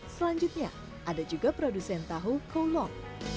selanjutnya ada juga produsen tahu kolom